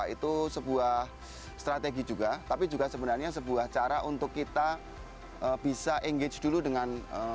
itu sebuah strategi juga tapi juga sebenarnya sebuah cara untuk kita bisa engage dulu dengan